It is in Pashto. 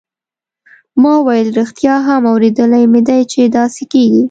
ما وویل ریښتیا هم اوریدلي مې دي چې داسې کیږي.